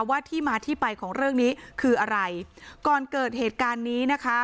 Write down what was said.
ว่าที่มาที่ไปของเรื่องนี้คืออะไรก่อนเกิดเหตุการณ์นี้นะคะ